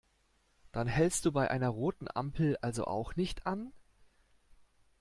Dann hältst du bei einer roten Ampel also auch nicht an?